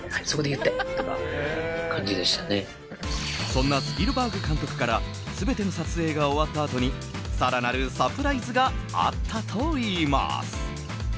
そんなスピルバーグ監督から全ての撮影が終わったあとに更なるサプライズがあったといいます。